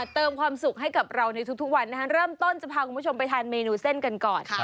เติมความสุขให้กับเราในทุกวันเริ่มต้นจะพาคุณผู้ชมไปทานเมนูเส้นกันก่อน